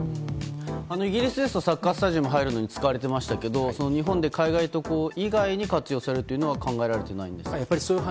イギリスですとサッカースタジアムに入るのに使われてましたけど日本で海外渡航以外に活用されるというのは考えられていない。